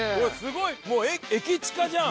もう駅近じゃん。